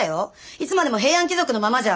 いつまでも平安貴族のままじゃ。